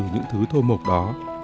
những thứ thô mộc đó